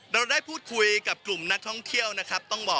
เราได้พูดคุยกับกลุ่มนักท่องเที่ยวนะครับต้องบอก